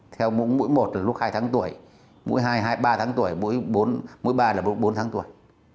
theo mũi một là lúc hai tháng tuổi mũi hai là lúc ba tháng tuổi mũi ba là lúc bốn tháng tuổi